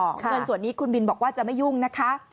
เงินส่วนนี้คุณบินบอกว่าจะไม่ยุ่งนะคะ